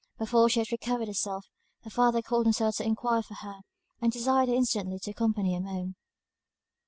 Before she had recovered herself, her father called himself to enquire for her; and desired her instantly to accompany him home.